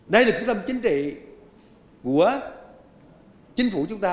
đây là quyết tâm chính trị của chính phủ chúng ta